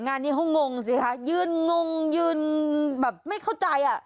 งานนี้เขางงสิคะยืนงงยืนแบบไม่เข้าใจอ่ะ